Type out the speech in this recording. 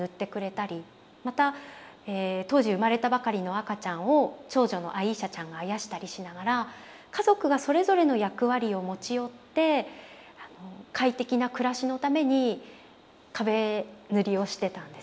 また当時生まれたばかりの赤ちゃんを長女のアイーシャちゃんがあやしたりしながら家族がそれぞれの役割を持ち寄って快適な暮らしのために壁塗りをしてたんです。